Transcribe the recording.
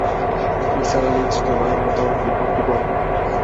নিসার আলি তৃতীয় বারের মতো রিপোর্টটি পড়লেন।